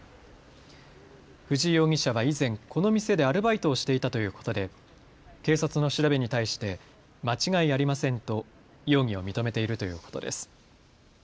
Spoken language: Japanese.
藤井容疑者は以前、この店でアルバイトをしていたということで警察の調べに対して間違いありませんと容疑を認めているということです。